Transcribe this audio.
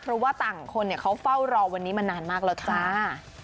เพราะว่าต่างคนเขาเฝ้ารอวันนี้มานานมากแล้วจ้า